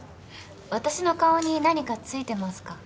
私の顔に何かついてますか？